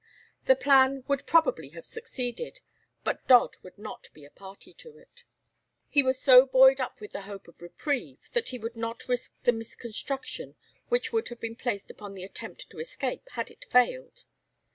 The plan would probably have succeeded, but Dodd would not be a party to it. He was so buoyed up with the hope of reprieve that he would not risk the misconstruction which would have been placed upon the attempt to escape had it failed.